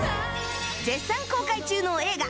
絶賛公開中の映画